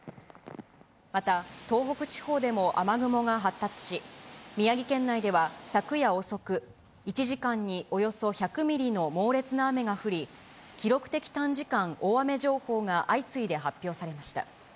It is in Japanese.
また東北地方でも雨雲が発達し、宮城県内では昨夜遅く、１時間におよそ１００ミリの猛烈な雨が降り、記録的短時間大雨情報が相次いで発表されました。